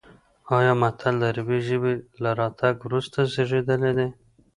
ایا متل د عربي ژبې له راتګ وروسته زېږېدلی دی